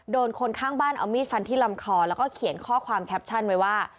คนข้างบ้านเอามีดฟันที่ลำคอแล้วก็เขียนข้อความแคปชั่นไว้ว่า